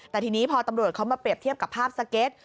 แต่ทีนี้พอตำรวจเขามาเปรียบเทียบกับภาพสเก็ต